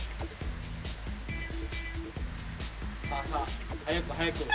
さあさあ早く早く。